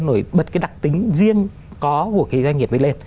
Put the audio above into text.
nổi bật cái đặc tính riêng có của cái doanh nghiệp ấy lên